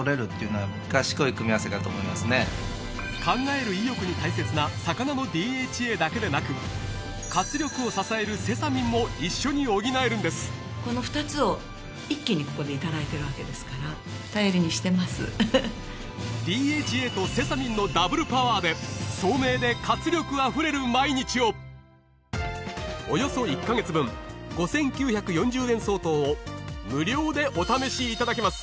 「考える意欲」に大切な魚のＤＨＡだけでなく「活力」を支えるセサミンも一緒に補えるんですＤＨＡとセサミンのダブルパワーで“聡明で活力溢れる毎日”をおよそ１カ月分５９４０円相当を無料でお試しいただけます